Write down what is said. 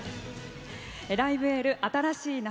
「ライブ・エール新しい夏」。